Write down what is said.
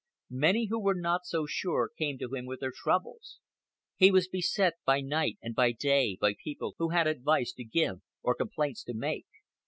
Many who were not so sure came to him with their troubles. He was beset by night and by day by people who had advice to give or complaints to make.